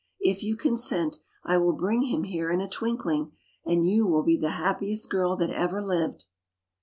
If you consent, I will bring him here in a twinkling ; and you will be the happiest girl that ever lived."